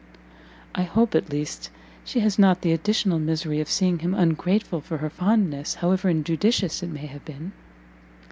"I hope, at least, she has not the additional misery of seeing him ungrateful for her fondness, however injudicious it may have been?"